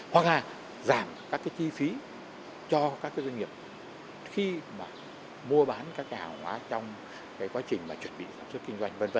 hoặc là giảm các chi phí cho các doanh nghiệp khi mua bán các hàng hóa trong quá trình chuẩn bị